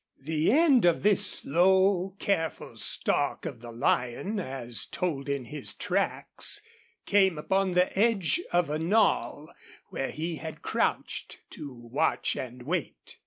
The end of this slow, careful stalk of the lion, as told in his tracks, came upon the edge of a knoll where he had crouched to watch and wait.